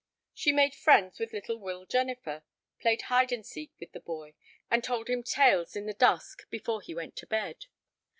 She made friends with little Will Jennifer, played hide and seek with the boy, and told him tales in the dusk before he went to bed.